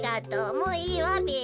もういいわべ。